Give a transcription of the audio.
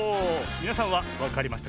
みなさんはわかりましたか？